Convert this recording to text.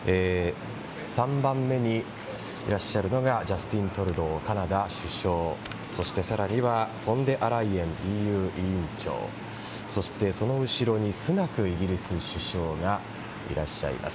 ３番目にいらっしゃるのがジャスティン・トルドーカナダ首相、そして更にはフォン・デア・ライエンＥＵ委員長そして、その後ろにスナク、イギリス首相がいらっしゃいます。